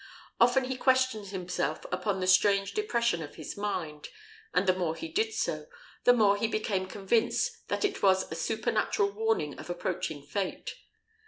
Often he questioned himself upon the strange depression of his mind; and the more he did so, the more he became convinced that it was a supernatural warning of approaching fate.